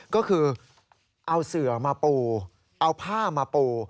ก็คือเอาเสือมาปูเอาผ้ามาปู